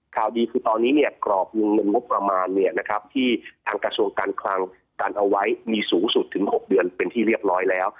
ข่าวดีคือตอนนี้เนี่ยกรอบวงเงินงบประมาณที่ทางกระทรวงการคลังกันเอาไว้มีสูงสุดถึง๖เดือนเป็นที่เรียบร้อยแล้ว